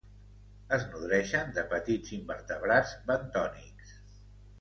Es nodreixen de petits invertebrats bentònics.